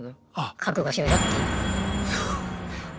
覚悟しろよっていう。